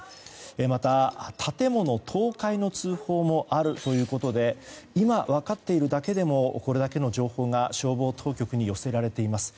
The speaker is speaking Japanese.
また、建物倒壊の通報もあるということで今、分かっているだけでもこれだけの情報が消防当局に寄せられています。